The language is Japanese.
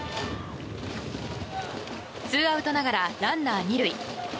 ツーアウトながらランナー２塁。